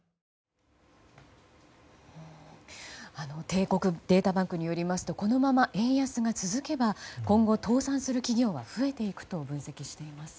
帝国データバンクによりますとこのまま円安が続けば今後、倒産する企業が増えていくと分析しています。